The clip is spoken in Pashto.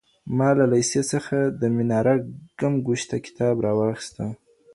ما له لېسې څخه د مناره ګم ګشته کتاب راواخيست.